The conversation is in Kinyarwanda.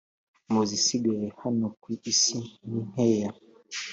muzi sigaye hano ku isi ninkeya